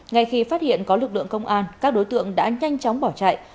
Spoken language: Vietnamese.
ngay khi phát hiện có lực lượng công an các đối tượng đã nhanh chóng bỏ chạy